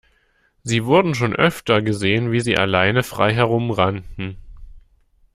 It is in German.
Sie wurden schon öfter gesehen, wie sie alleine frei herum rannten.